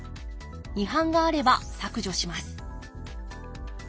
違反があれば削除します。